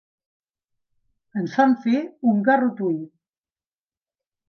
Ens fan fer un ‘garrotuit’.